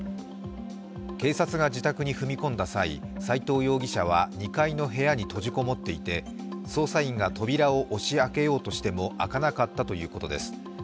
警察が自宅に踏み込んだ際、斉藤容疑者は２階の部屋に閉じ籠もっていて捜査員が扉を押し開けようとしても開かなかったということです。